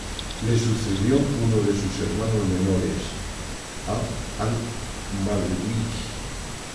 Le sucedió uno de sus hermanos menores, 'Abd al-Malik.